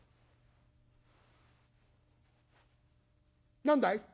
「何だい？」。